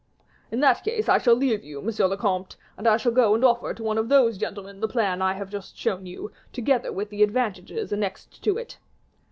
"In that case I shall leave you, monsieur le comte, and I shall go and offer to one of those gentlemen the plan I have just shown you, together with the advantages annexed to it."